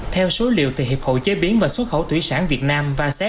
theo số liệu từ hiệp hội chế biến và xuất khẩu thủy sản việt nam